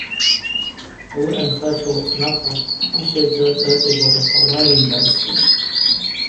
Ауи анхара тшауацӏнахуа, ащайдза рыцӏа-рыцӏа йбагъьахауа йымгӏвайсуаштӏ.